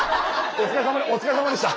お疲れさまでした。